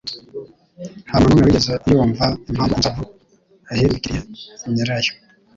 Ntamuntu numwe wigeze yumva impamvu inzovu yahindukiriye nyirayo.